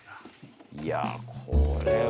いやこれは。